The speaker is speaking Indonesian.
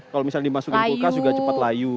kalau misalnya dimasukkan ke kulkas juga cepat layu